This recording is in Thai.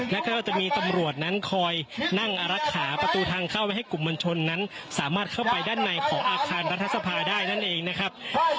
แล้วก็จะมีตำรวจนั้นคอยนั่งอารักษาประตูทางเข้าไว้ให้กลุ่มมวลชนนั้นสามารถเข้าไปด้านในของอาคารรัฐสภาได้นั่นเองนะครับ